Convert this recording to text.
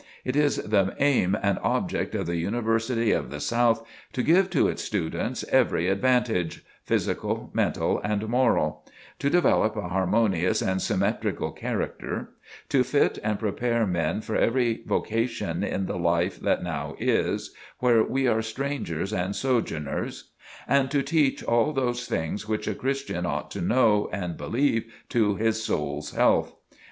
It is the aim and object of The University of the South to give to its students every advantage, physical, mental and moral; to develop a harmonious and symmetrical character; to fit and prepare men for every vocation in the life that now is, where we are strangers and sojourners; and to teach all those things which a Christian ought to know and believe to his soul's health.